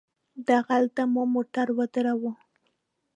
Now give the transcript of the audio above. دغلته مو موټر ودراوه.